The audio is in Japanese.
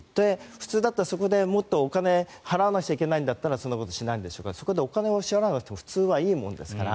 普通だったらもっとお金を払わなくちゃいけないんだったらそういうことをしないんでしょうがお金を払わなくても普通はいいものですから。